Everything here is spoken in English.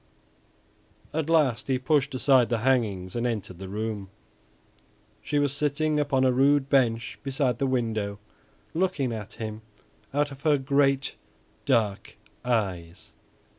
At last he pushed aside the hangings and entered the room. She was sitting upon a rude bench beside the window, looking at him out of her great, dark eyes.